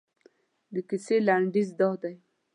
د کیسې لنډیز دادی.